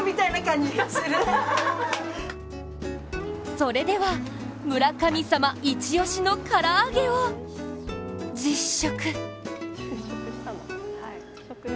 それでは、村神様一押しのからあげを実食！